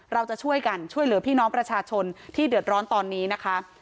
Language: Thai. เราจะช่วยกันช่วยเหลือพี่น้องประชาชนที่เดือดร้อนตอนนี้นะคะ